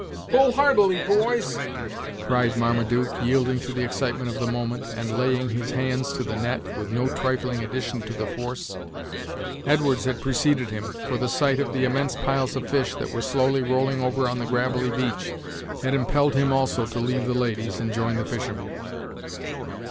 "Pull heartily, boys," cried Marmaduke, yielding to the excitement of the moment, and laying his hands to the net, with no trifling addition to the force. Edwards had preceded him; for the sight of the immense piles of fish, that were slowly rolling over on the gravelly beach, had impelled him also to leave the ladies and join the fishermen.